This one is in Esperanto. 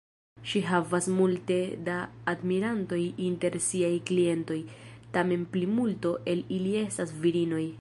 Ŝi havas multe da admirantoj inter siaj klientoj, tamen plimulto el ili estas virinoj.